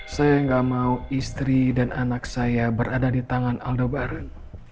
saya gak mau istri dan anak saya berada di tangan aldebaran